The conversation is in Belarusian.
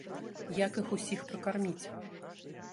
Як іх усіх пракарміць?